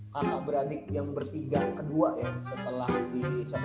kaka beranik yang bertiga kedua ya setelah si siapa